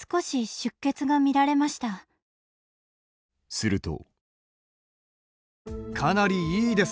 すると。